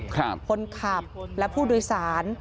คนขับและผู้โดยสาร